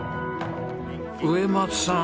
植松さん